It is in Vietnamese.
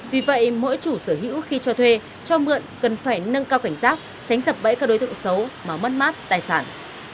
vì vậy mỗi chủ sở hữu khi cho thuê cho mượn cần phải nâng cao cảnh giác sánh sập bẫy các đối tượng xấu mà mất mát tài sản